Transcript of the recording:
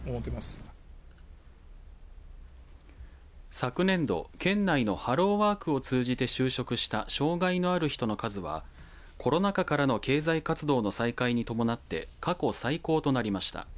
昨年度、県内のハローワークを通じて就職した障害のある人の数はコロナ禍からの経済活動の再開に伴って過去最高となりました。